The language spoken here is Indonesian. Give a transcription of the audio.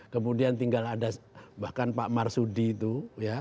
kemudian tinggal ada bahkan pak marsudi itu ya